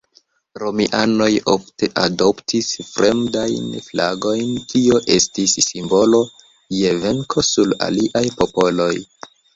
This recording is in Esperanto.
Romianoj ofte adoptis fremdajn flagojn, kio estis simbolo je venko sur aliaj popoloj.